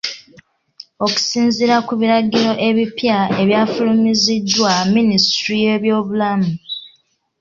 Okusinziira ku biragiro ebipya ebyafulumiziddwa Minisitule y'ebyobulamu.